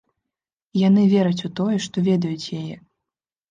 Яны вераць у тое, што ведаюць яе.